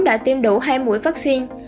đã tiêm đủ hai mũi vaccine